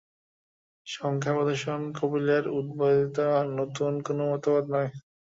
সাংখ্যদর্শন কপিলের উদ্ভাবিত নূতন কোন মতবাদ নয়।